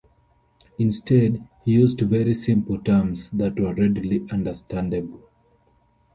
Instead, he used very simple terms that were readily understandable.